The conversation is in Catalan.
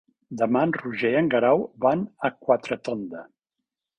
Demà en Roger i en Guerau van a Quatretonda.